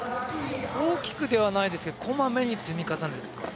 大きくではないですがこまめに積み重ねてきます。